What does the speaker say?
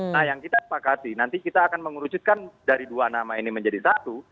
nah yang kita sepakati nanti kita akan mengerucutkan dari dua nama ini menjadi satu